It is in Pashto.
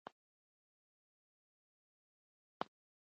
ډېر پروسس شوي خواړه چاغښت ته وده ورکوي.